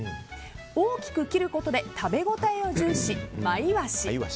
大きく切ることで食べ応えを重視真いわし。